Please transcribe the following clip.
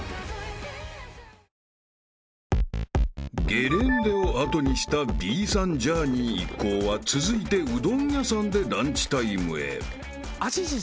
［ゲレンデを後にしたビーサンジャーニー一行は続いてうどん屋さんでランチタイムへ］